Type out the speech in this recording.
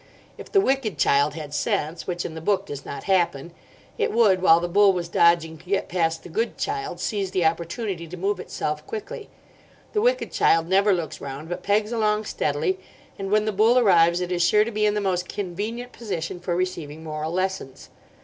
If the wicked child had sense (which in the book does not happen), it would, while the bull was dodging to get past the good child, seize the opportunity to move itself quickly. The wicked child never looks round, but pegs along steadily; and when the bull arrives it is sure to be in the most convenient position for receiving moral lessons.